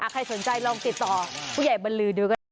ใครสนใจลองติดต่อผู้ใหญ่บรรลือดูก็ได้